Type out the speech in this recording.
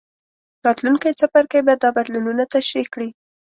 راتلونکی څپرکی به دا بدلونونه تشریح کړي.